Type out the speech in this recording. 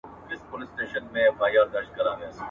چي سپى د دنيا نه سې، د دنيا خاوند به نه سې.